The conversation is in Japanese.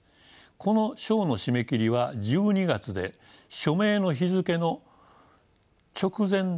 この賞の締め切りは１２月で署名の日付の直前だったと分かったからです。